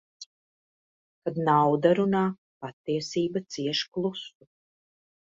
Kad nauda runā, patiesība cieš klusu.